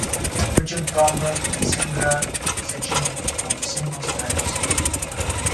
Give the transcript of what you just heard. Richard Fromberg and Sandra Cecchini won the singles titles.